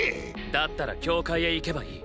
だったら教会へ行けばいい。